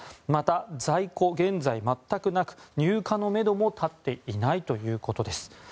また、在庫、現在全くなく入荷のめども立っていないということです。